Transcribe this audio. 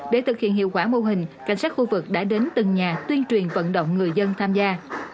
để thực hiện hiệu quả mô hình cảnh sát khu vực đã đến từng nhà tuyên truyền vận động người dân tham gia